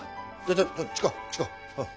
ちょちょ近う近う。